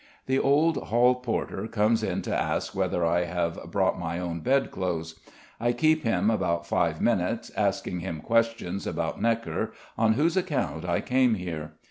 The old hall porter comes in to ask whether I have brought my own bed clothes. I keep him about five minutes asking him questions about Gnekker, on whose account I came here.